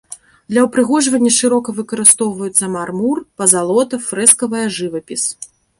Для ўпрыгожвання шырока выкарыстоўваюцца мармур, пазалота, фрэскавая жывапіс.